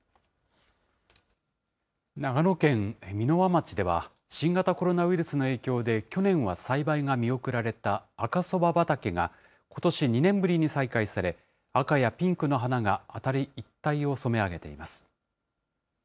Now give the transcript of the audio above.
長野県箕輪町では、新型コロナウイルスの影響で去年は栽培が見送られた赤そば畑が、ことし２年ぶりに再開され、赤やピンクの花が辺り一帯を染め上げています。